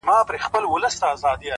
د نيمي شپې د خاموشۍ د فضا واړه ستـوري؛